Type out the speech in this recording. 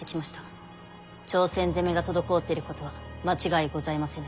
朝鮮攻めが滞っていることは間違いございませぬ。